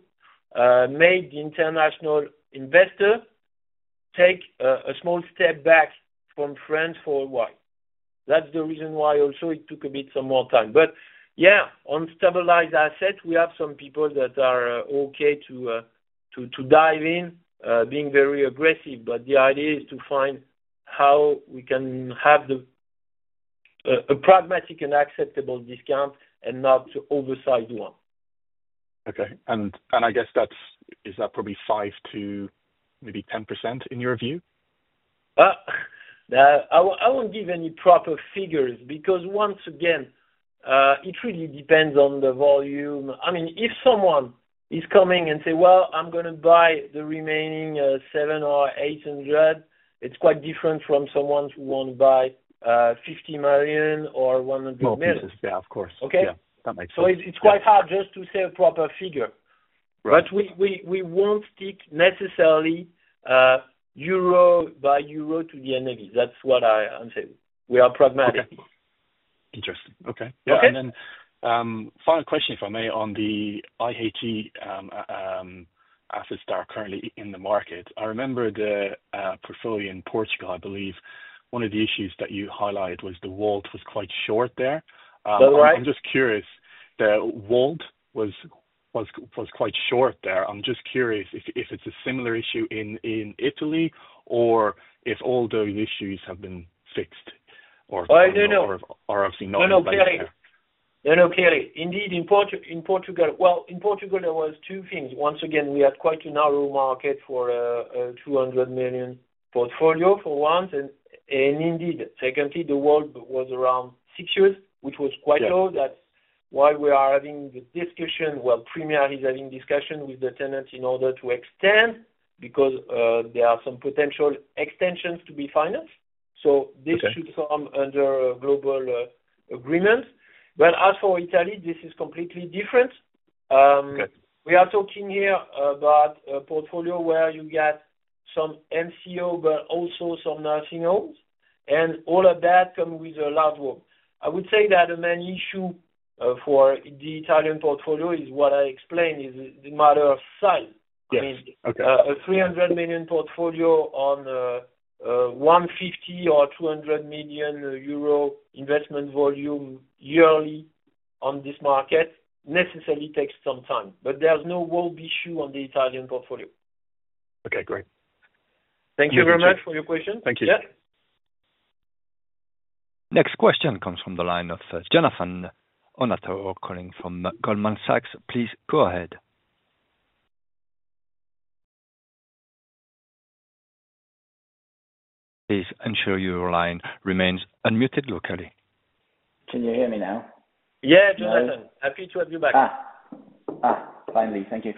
made the international investors take a small step back from France for a while. That's the reason why also it took a bit more time. On stabilized assets, we have some people that are okay to dive in, being very aggressive. The idea is to find how we can have a pragmatic and acceptable discount and not to oversize the one. Okay. I guess that's, is that probably 5% to maybe 10% in your view? I won't give any proper figures because, once again, it really depends on the volume. I mean, if someone is coming and says, "I'm going to buy the remaining 700 million or 800 million," it's quite different from someone who wants to buy 50 million or 100 million. Yes, yes. Yeah, of course. Okay. Yeah, that makes sense. It's quite hard just to say a proper figure, right. We won't stick necessarily euro by euro to the NAV. That's what I'm saying. We are pragmatic. Interesting. Okay. Yeah. Final question, if I may, on the Icade assets that are currently in the market. I remember the portfolio in Portugal, I believe one of the issues that you highlighted was the WALT was quite short there. That's right. I'm just curious. The WALT was quite short there. I'm just curious if it's a similar issue in Italy or if all those issues have been fixed or obviously not. No, no, clearly. Indeed, in Portugal, there were two things. Once again, we have quite a narrow market for a 200 million portfolio for once. Indeed, secondly, the WALT was around six years, which was quite low. That is why we are having the discussion. Premier is having discussions with the tenants in order to extend because there are some potential extensions to be financed. This should come under a global agreement. As for Italy, this is completely different. We are talking here about a portfolio where you get some MCO, but also some nursing homes. All of that comes with a large WALT. I would say that the main issue for the Italian portfolio is what I explained, is the matter of size. I mean, a 300 million portfolio on a 150 or 200 million euro investment volume yearly on this market necessarily takes some time. There is no WALT issue on the Italian portfolio. Okay, great. Thank you very much for your question. Thank you. Yeah. Next question comes from the line of Jonathan Kownator calling from Goldman Sachs. Please go ahead. Please ensure your line remains unmuted locally. Can you hear me now? Yeah, Jonathan. Happy to have you back. Thank you.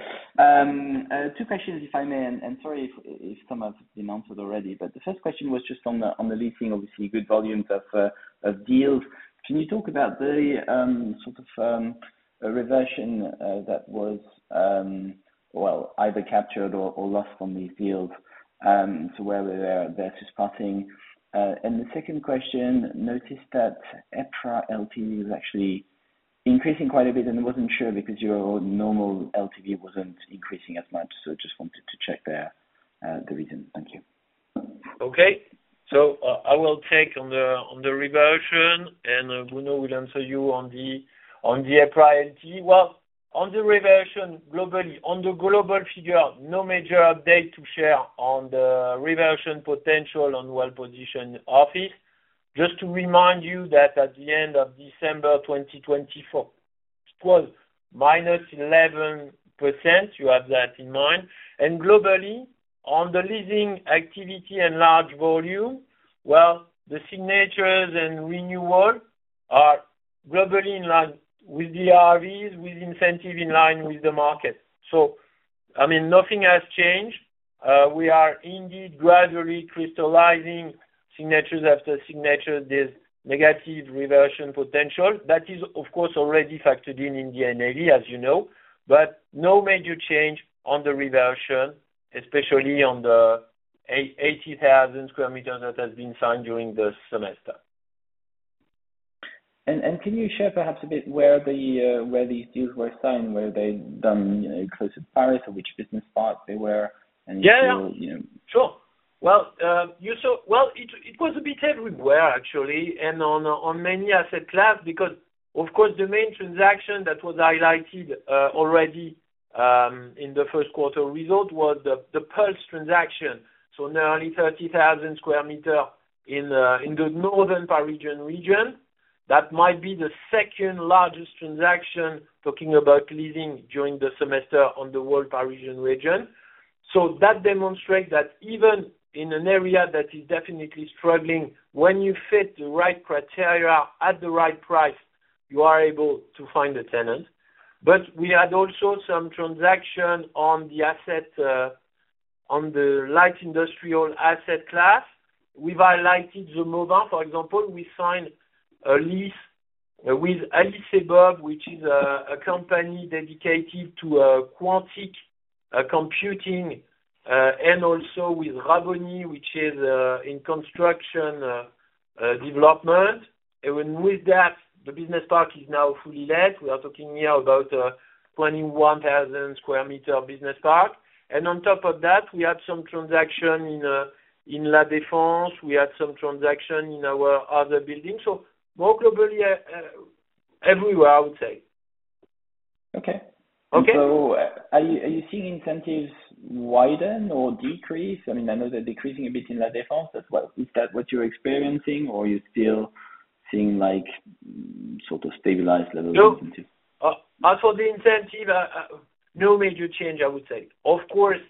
Two questions, if I may, and sorry if some have been answered already. The first question was just on the leasing, obviously, good volumes of deals. Can you talk about the sort of reversion that was, either captured or lost from the field to where we were versus passing? The second question, noticed that EPRA LTV was actually increasing quite a bit, and I wasn't sure because your normal LTV wasn't increasing as much. I just wanted to check there the reason. Thank you. Okay. I will take on the reversion, and Bruno will answer you on the EPRA LTV. On the reversion globally, on the global figure, no major update to share on the reversion potential on the well-positioned office. Just to remind you that at the end of December 2024, it was -11%. You have that in mind. Globally, on the leasing activity and large volume, the signatures and renewals are globally in line with the RVs, with incentives in line with the market. Nothing has changed. We are indeed gradually crystallizing signatures after signature. There's negative reversion potential. That is, of course, already factored in in the NAV, as you know. No major change on the reversion, especially on the 80,000 sqm that have been signed during the semester. Can you share perhaps a bit where these deals were signed, were they done closer to Paris, or which business part they were? Yeah, sure. You saw, it was a bit everywhere, actually, and on many asset classes because, of course, the main transaction that was highlighted already in the first quarter result was the Pulse transaction. Nearly 30,000 sqm in the northern Parisian region. That might be the second largest transaction talking about leasing during the semester in the whole Parisian region. That demonstrates that even in an area that is definitely struggling, when you fit the right criteria at the right price, you are able to find the tenant. We had also some transactions on the light industrial asset class. We've highlighted Zomoda, for example. We signed a lease with Alice & Bob, which is a company dedicated to quantum computing, and also with Raboni, which is in construction development. With that, the business park is now fully let. We are talking here about a 21,000 sqm business park. On top of that, we had some transactions in La Défense. We had some transactions in our other buildings. More globally, everywhere, I would say. Okay. Okay. Are you seeing incentives widen or decrease? I know they're decreasing a bit in La Défense as well. Is that what you're experiencing, or are you still seeing like sort of stabilized levels of incentives? As for the incentive, no major change, I would say. Of course,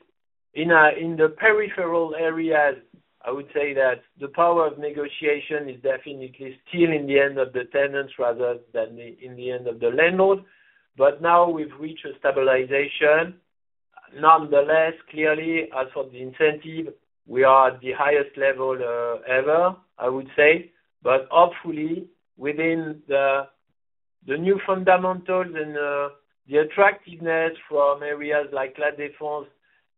in the peripheral areas, I would say that the power of negotiation is definitely still in the hands of the tenants rather than in the hands of the landlord. Now we've reached a stabilization. Nonetheless, clearly, as for the incentive, we are at the highest level ever, I would say. Hopefully, within the new fundamentals and the attractiveness from areas like La Défense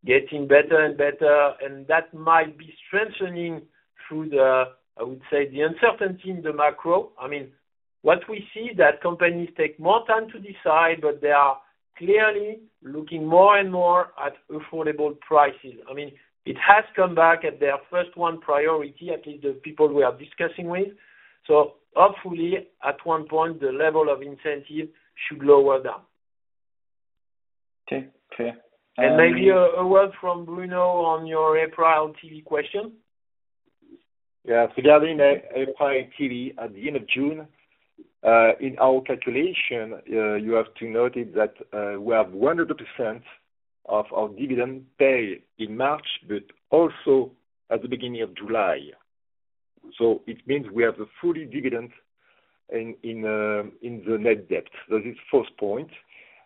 getting better and better, that might be strengthening through the uncertainty in the macro. What we see is that companies take more time to decide, but they are clearly looking more and more at affordable prices. It has come back at their first one priority, at least the people we are discussing with. Hopefully, at one point, the level of incentives should lower down. Okay. Clear. Maybe a word from Bruno on your EPRA LTV question. Yeah. Regarding EPRA LTV at the end of June, in our calculation, you have to note that we have 100% of our dividend pay in March, but also at the beginning of July. It means we have a fully dividend in the net debt. That is the first point.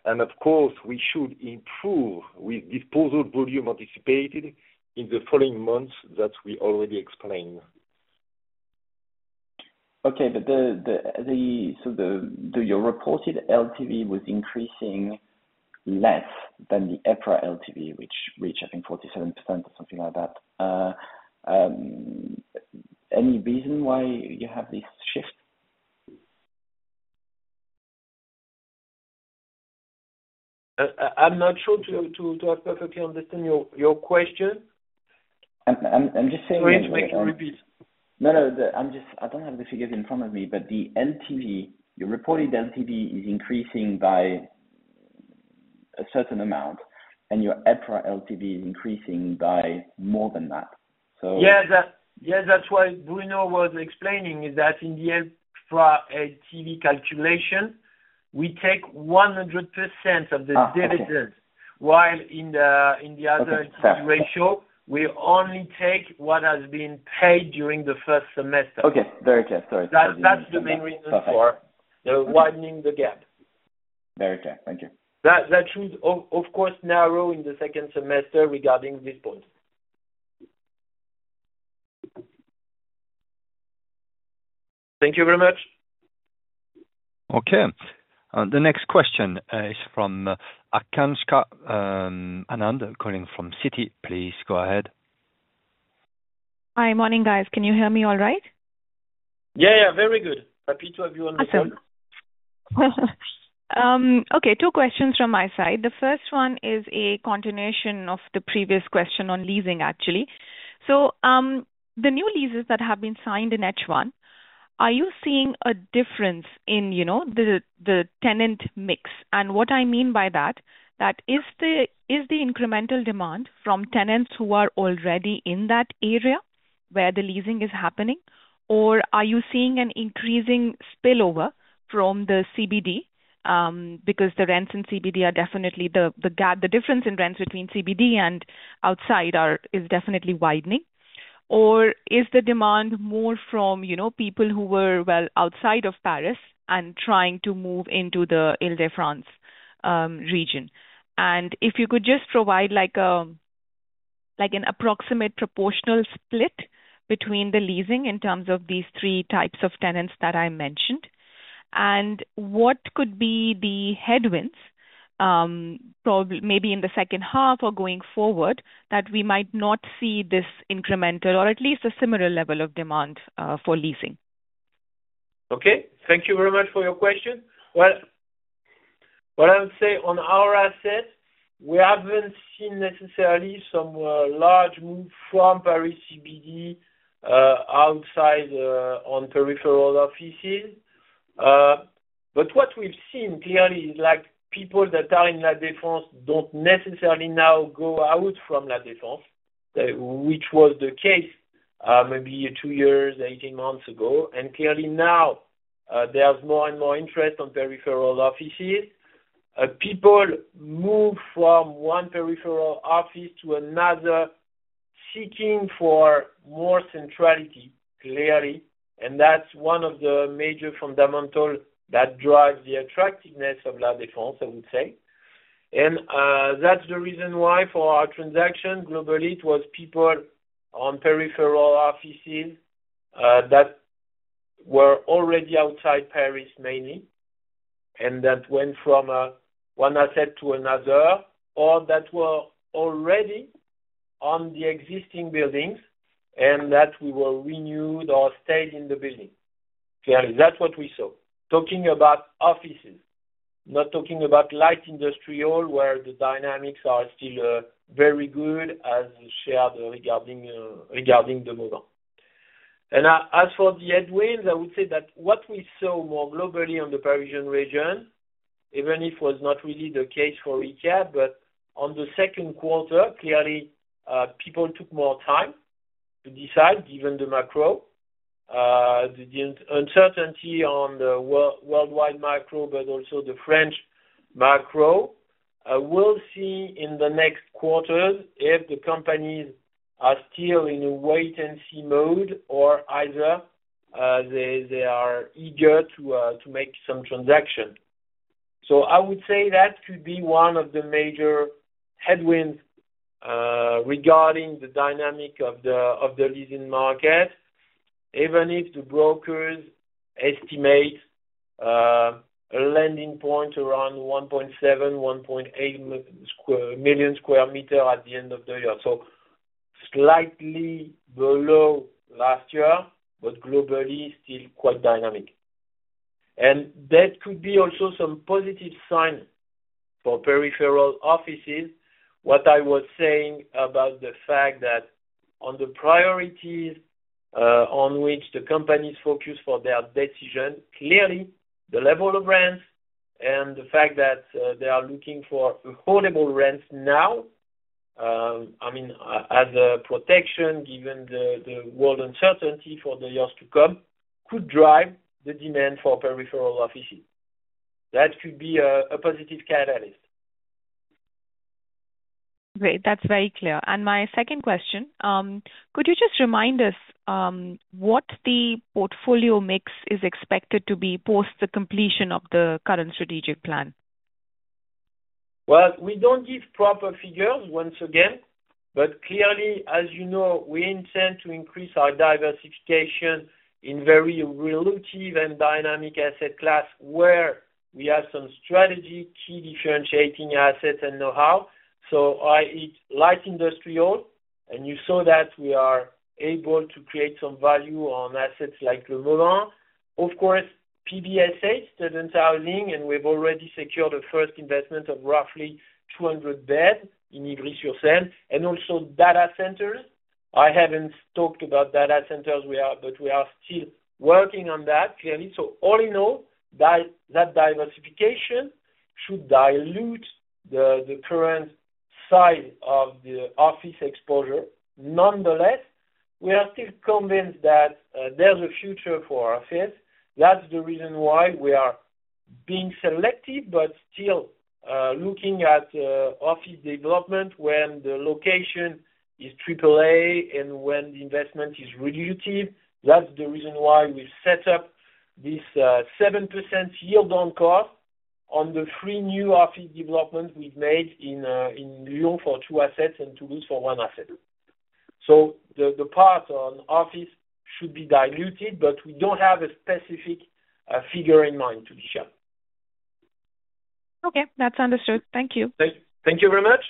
Of course, we should improve with disposal volume anticipated in the following months that we already explained. Okay. Your reported LTV was increasing less than the EPRA LTV, which reached, I think, 47% or something like that. Any reason why you have this shift? I'm not sure to have perfectly understood your question. I'm just saying that. Sorry, Mike, repeat. No, I don't have the figures in front of me, but the reported LTV is increasing by a certain amount, and your EPRA LTV is increasing by more than that. Yeah, that's what Bruno was explaining is that in the EPRA LTV calculation, we take 100% of the dividend, while in the other LTV ratio, we only take what has been paid during the first semester. Okay, very clear. Sorry. That's the main reason for widening the gap. Very clear. Thank you. That should, of course, narrow in the second semester regarding this point. Thank you very much. Okay. The next question is from Aakanksha Anand calling from Citi. Please go ahead. Hi. Morning, guys. Can you hear me all right? Yeah, very good. Happy to have you on the phone. Awesome. Okay. Two questions from my side. The first one is a continuation of the previous question on leasing, actually. The new leases that have been signed in H1, are you seeing a difference in, you know, the tenant mix? What I mean by that is the incremental demand from tenants who are already in that area where the leasing is happening, or are you seeing an increasing spillover from the CBD? The rents in CBD are definitely the gap, the difference in rents between CBD and outside is definitely widening. Is the demand more from, you know, people who were outside of Paris and trying to move into the Île-de-France region? If you could just provide like an approximate proportional split between the leasing in terms of these three types of tenants that I mentioned. What could be the headwinds, maybe in the second half or going forward, that we might not see this incremental or at least a similar level of demand for leasing? Thank you very much for your question. On our assets, we haven't seen necessarily some large move from Paris CBD outside on peripheral offices. What we've seen clearly is people that are in La Défense don't necessarily now go out from La Défense, which was the case maybe two years, 18 months ago. Clearly, now there's more and more interest on peripheral offices. People move from one peripheral office to another, seeking for more centrality, clearly. That's one of the major fundamentals that drives the attractiveness of La Défense, I would say. That's the reason why for our transaction globally, it was people on peripheral offices that were already outside Paris mainly, and that went from one asset to another, or that were already on the existing buildings and that we renewed or stayed in the building. Clearly, that's what we saw. Talking about offices, not talking about light industrial where the dynamics are still very good, as you shared regarding Zomoda. As for the headwinds, I would say that what we saw more globally on the Paris region, even if it was not really the case for Icade, but in the second quarter, clearly, people took more time to decide, given the macro, the uncertainty on the worldwide macro, but also the French macro. We'll see in the next quarters if the companies are still in a wait-and-see mode or either they are eager to make some transactions. I would say that could be one of the major headwinds regarding the dynamic of the leasing market, even if the brokers estimate a landing point around 1.7, 1.8 million sqm at the end of the year. Slightly below last year, but globally still quite dynamic. That could be also some positive signs for peripheral offices. What I was saying about the fact that on the priorities on which the companies focus for their decision, clearly, the level of rents and the fact that they are looking for affordable rents now, as a protection given the world uncertainty for the years to come, could drive the demand for peripheral offices. That could be a positive catalyst. Great. That's very clear. My second question, could you just remind us what the portfolio mix is expected to be post the completion of the current strategic plan? We don't give proper figures, once again, but clearly, as you know, we intend to increase our diversification in very relative and dynamic asset classes where we have some strategy, key differentiating assets, and know-how. It's light industrial, and you saw that we are able to create some value on assets like Zomoda. Of course, PBSA, student housing, and we've already secured the first investment of roughly 200 beds in Ivry-sur-Seine, and also data centers. I haven't talked about data centers, but we are still working on that, clearly. All in all, that diversification should dilute the current size of the office exposure. Nonetheless, we are still convinced that there's a future for office. That's the reason why we are being selective, but still looking at office development when the location is triple A and when the investment is reductive. That's the reason why we've set up this 7% yield on COR on the three new office developments we've made in Lyon for two assets and Toulouse for one asset. The part on office should be diluted, but we don't have a specific figure in mind to share. Okay, that's understood. Thank you. Thank you very much.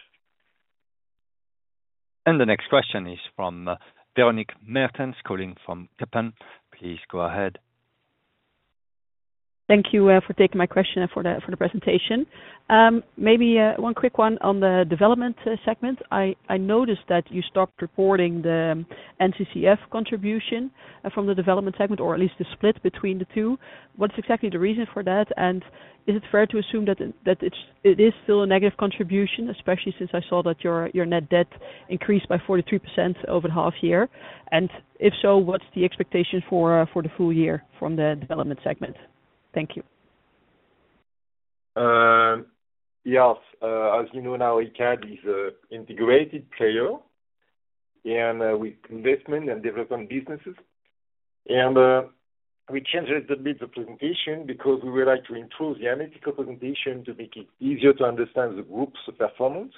The next question is from Véronique Meertens calling from Kempen. Please go ahead. Thank you for taking my question and for the presentation. Maybe one quick one on the Development Segment. I noticed that you stopped reporting the NCCF contribution from the Development Segment, or at least the split between the two. What's exactly the reason for that? Is it fair to assume that it is still a negative contribution, especially since I saw that your net debt increased by 43% over the half year? If so, what's the expectation for the full year from the Development Segment? Thank you. Yes. As you know, now Icade is an integrated player in investment and development businesses. We changed a little bit the presentation because we would like to improve the analytical presentation to make it easier to understand the group's performance.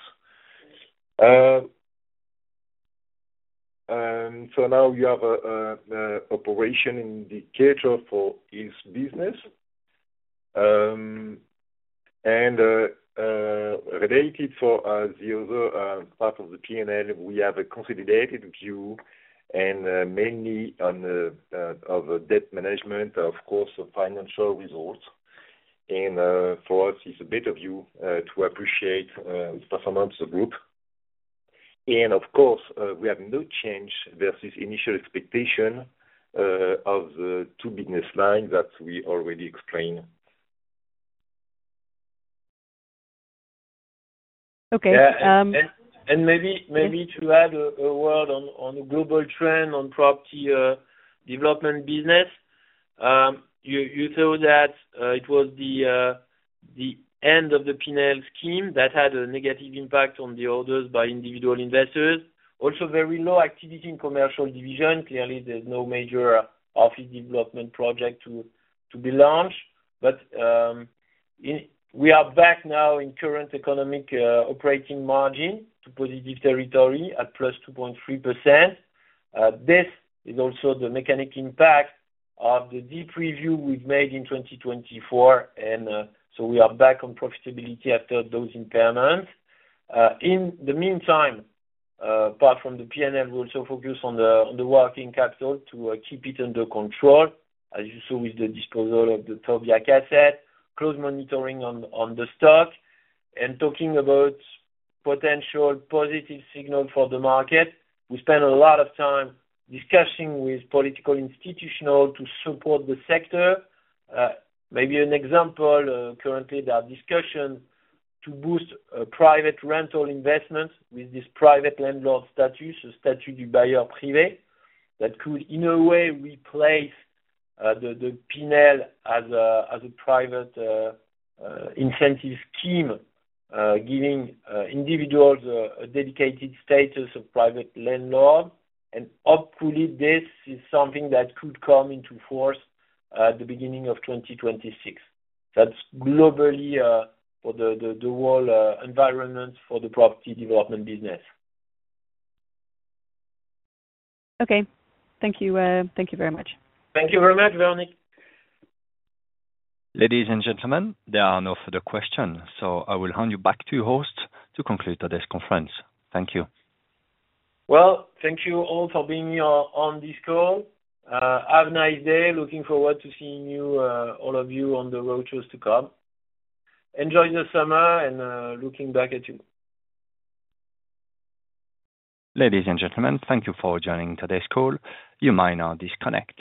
Now we have an operation in the theater for this business. Related to the other part of the Pinel, we have a consolidated view, mainly on the debt management, of course, financial results. For us, it's a better view to appreciate the performance of the group. Of course, we have no change versus the initial expectation of the two business lines that we already explained. Okay. Maybe to add a word on the global trend on the Property Development business, you saw that it was the end of the Pinel scheme that had a negative impact on the orders by individual investors. Also, very low activity in the commercial division. Clearly, there's no major office development project to be launched. We are back now in current economic Operating Margin to positive territory at +2.3%. This is also the mechanic impact of the deep review we've made in 2024. We are back on profitability after those impairments. In the meantime, apart from the Pinel, we also focus on the working capital to keep it under control, as you saw with the disposal of the Tobiag Building asset, close monitoring on the stock, and talking about potential positive signals for the market. We spent a lot of time discussing with political institutions to support the sector. Maybe an example currently in our discussion is to boost Private Rental Investments with this Private Landlord Status, a Statute du Bailleur Privé, that could, in a way, replace the Pinel as a Private Incentive scheme, giving individuals a dedicated status of private landlord. Hopefully, this is something that could come into force at the beginning of 2026. That's globally for the whole environment for the Property Development business. Okay. Thank you. Thank you very much. Thank you very much, Veronique. Ladies and gentlemen, there are no further questions, so I will hand you back to your host to conclude today's conference. Thank you. Thank you all for being here on this call. Have a nice day. Looking forward to seeing you, all of you, on the roadshows to come. Enjoy the summer and looking back at you. Ladies and gentlemen, thank you for joining today's call. You may now disconnect.